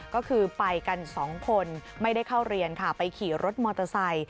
ก็คือไปกันสองคนไม่ได้เข้าเรียนค่ะไปขี่รถมอเตอร์ไซค์